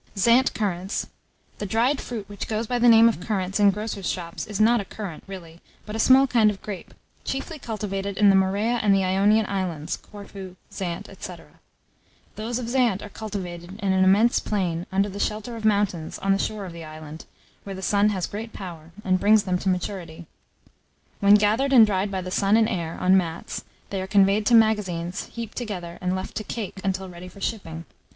] ZANTE CURRANTS. The dried fruit which goes by the name of currants in grocers' shops is not a currant really, but a small kind of grape, chiefly cultivated in the Morea and the Ionian Islands, Corfu, Zante, &c. Those of Zante are cultivated in an immense plain, under the shelter of mountains, on the shore of the island, where the sun has great power, and brings them to maturity. When gathered and dried by the sun and air, on mats, they are conveyed to magazines, heaped together, and left to cake, until ready for shipping.